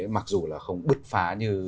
mặc dù là không bứt phá như